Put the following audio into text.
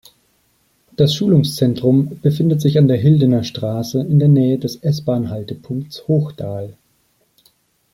Das Schulungszentrum befindet sich an der Hildener Straße in der Nähe des S-Bahn-Haltepunkts Hochdahl.